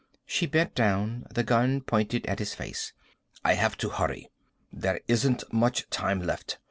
She bent down, the gun pointed at his face. "I have to hurry. There isn't much time left.